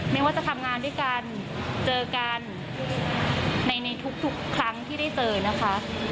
ไม่ว่าจะทำงานด้วยกันเจอกันในทุกครั้งที่ได้เจอนะคะ